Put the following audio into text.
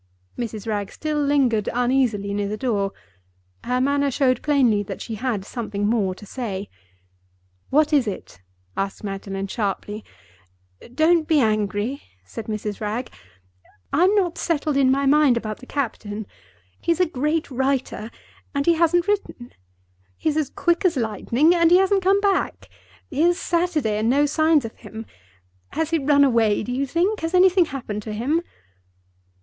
Mrs. Wragge still lingered uneasily near the door. Her manner showed plainly that she had something more to say. "What is it?" asked Magdalen, sharply. "Don't be angry," said Mrs. Wragge. "I'm not settled in my mind about the captain. He's a great writer, and he hasn't written. He's as quick as lightning, and he hasn't come back. Here's Saturday, and no signs of him. Has he run away, do you think? Has anything happened to him?"